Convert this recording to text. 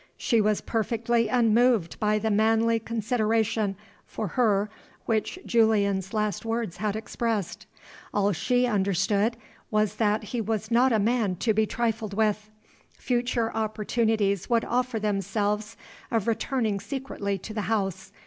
She was perfectly unmoved by the manly consideration for her which Julian's last words had expressed. All she understood was that he was not a man to be trifled with. Future opportunities would offer themselves of returning secretly to the house.